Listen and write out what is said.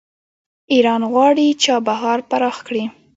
ایران غواړي چابهار پراخ کړي.